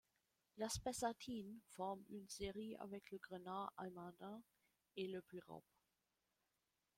La spessartine forme une série avec le grenat almandin et le pyrope.